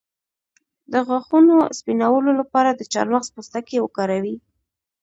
د غاښونو سپینولو لپاره د چارمغز پوستکی وکاروئ